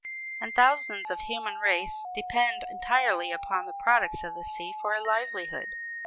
And thousands of the human race depend entirely upon the products of the sea for a livelihood.